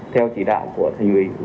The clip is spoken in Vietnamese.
theo chỉ đạo của thành viên